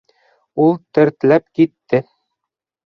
Ул тертләп китте.